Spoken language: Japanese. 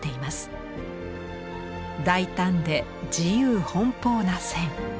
大胆で自由奔放な線。